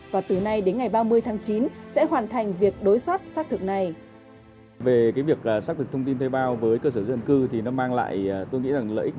và từ nay đến ngày ba mươi tháng chín sẽ hoàn thành việc đối soát xác thực này